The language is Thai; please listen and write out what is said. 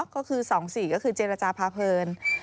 ก็คือ๒๔ก็คือเจรจาพาเพลิน